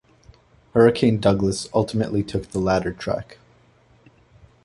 Hurricane Douglas ultimately took the latter track.